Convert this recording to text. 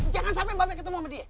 jangan sampai babe ketemu sama dia ya